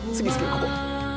ここ！」